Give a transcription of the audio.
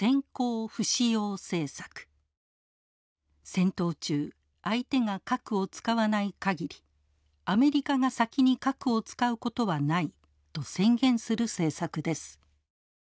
戦闘中相手が核を使わない限りアメリカが先に核を使うことはないと宣言する政策です。